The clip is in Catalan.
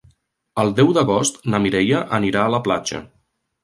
El deu d'agost na Mireia anirà a la platja.